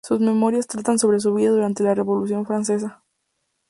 Sus memorias tratan sobre su vida durante la Revolución francesa.